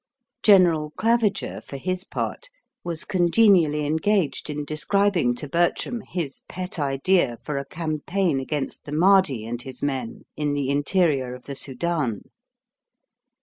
General Claviger, for his part, was congenially engaged in describing to Bertram his pet idea for a campaign against the Madhi and his men, in the interior of the Soudan.